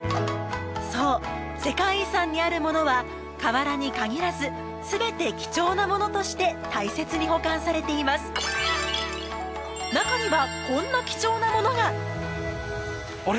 そう世界遺産にあるものは瓦に限らずすべて貴重なものとして大切に保管されていますあれ？